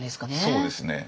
そうですね。